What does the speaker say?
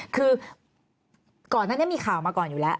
คือก่อนนั้นมีข่าวมาก่อนอยู่แล้ว